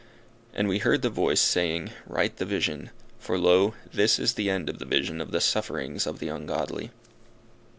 And we heard the voice, saying, Write the vision, for lo! this is the end of the vision of the sufferings of the ungodly!